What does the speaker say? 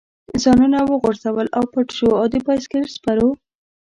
ځانونه وغورځول او پټ شو، د بایسکل سپرو.